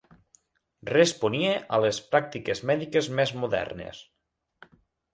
Responia a les pràctiques mèdiques més modernes